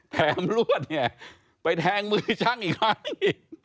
แถมลวดเนี่ยไปแทงมือช่างอีกร้านอีก